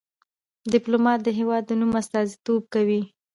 ډيپلومات د هېواد د نوم استازیتوب کوي.